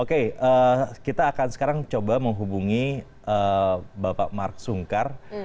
oke kita akan sekarang coba menghubungi bapak mark sungkar